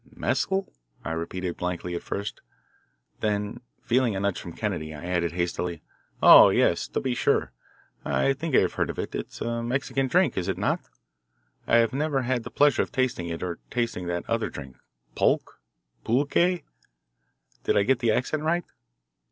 "Mescal?" I repeated blankly at first, then feeling a nudge from Kennedy, I added hastily: "Oh, yes, to be sure. I think I have heard of it. It's a Mexican drink, is it not? I have never had the pleasure of tasting it or of tasting that other drink, pulque poolkay did I get the accent right?"